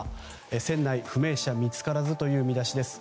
船内、不明者見つからずという見出しです。